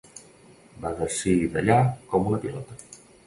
Va d'ací d'allà com una pilota.